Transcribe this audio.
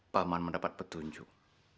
paman mendapat petunjuk